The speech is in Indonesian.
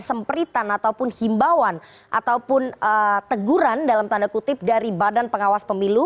sempritan ataupun himbauan ataupun teguran dalam tanda kutip dari badan pengawas pemilu